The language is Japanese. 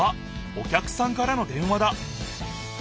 お客さんからの電話だ。